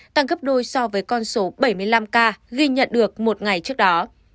tăng gấp đôi so với con số bảy mươi năm ca ghi nhận được một ngày trước đó